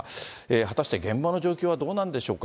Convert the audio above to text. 果たして現場の状況はどうなんでしょうか。